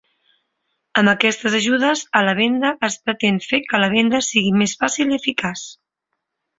Amb aquestes ajudes a la venda es pretén fer que la venda sigui més fàcil i eficaç.